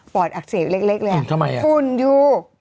อดอักเสบเล็กเลยฝุ่นอยู่